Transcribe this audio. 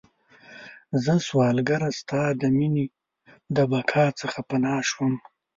زه سوالګره ستا د میینې، د بقا څخه پناه شوم